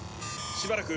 しばらく。